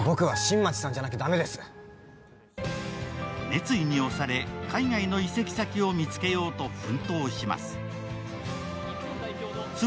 熱意に押され海外の移籍先を見つけようと奮闘します。